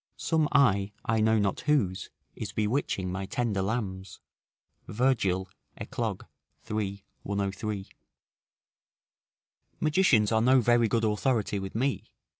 ["Some eye, I know not whose is bewitching my tender lambs." Virgil, Eclog., iii. 103.] Magicians are no very good authority with me.